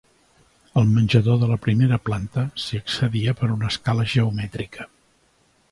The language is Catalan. Al menjador de la primera planta s'hi accedia per una escala geomètrica.